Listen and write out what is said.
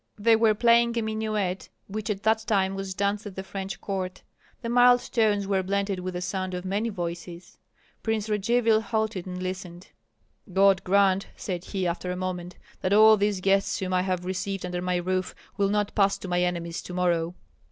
They were playing a minuet which at that time was danced at the French court. The mild tones were blended with the sound of many voices. Prince Radzivill halted and listened. "God grant," said he, after a moment, "that all these guests whom I have received under my roof will not pass to my enemies to morrow."